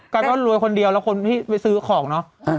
ก็รวยคนเดียวแล้วคนที่ไปซื้อของเนอะ